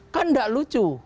kan tidak lucu